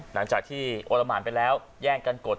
หลังจากที่โอละหมานไปแล้วแย่งกันกด